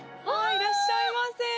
いらっしゃいませ！